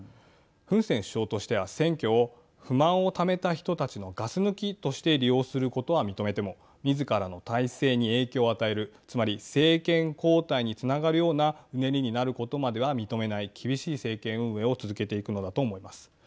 フン・セン首相としては選挙を不満をためた人たちのガス抜きとして利用することは認めてもみずからの体制に影響を与えるつまり政権交代につながるようなうねりになることまでは認めない厳しい政権運営を続けていくのだと思います。